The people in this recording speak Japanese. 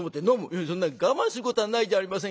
「いやそんな我慢することはないじゃありませんか。